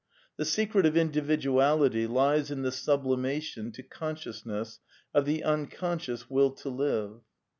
The secret of r/ individuality lies in the sublimation to consciousness of T the imconscious Will to live.